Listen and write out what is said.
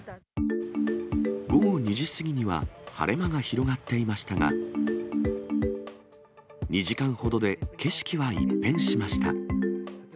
午後２時過ぎには晴れ間が広がっていましたが、２時間ほどで景色は一変しました。